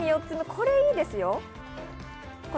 さらに４つ目、これいいですよ。